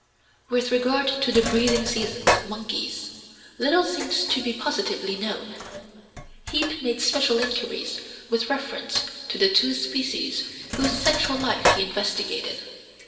With regard to the breeding seasons of monkeys, little seems to be positively known. Heape made special inquiries with reference to the two species whose sexual life he investigated.